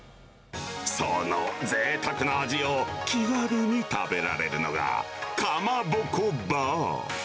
そのぜいたくな味を、気軽に食べられるのが、かまぼこバー。